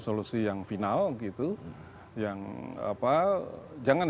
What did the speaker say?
solusi yang final gitu yang apa jangan